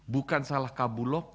bukan salah kabulok